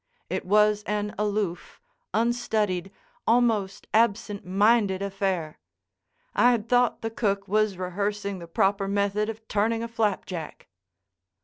It was an aloof, unstudied, almost absent minded affair. I had thought the cook was rehearsing the proper method of turning a flapjack.